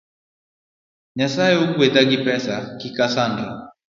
Nyasae ogwedha gi pesa kik asandra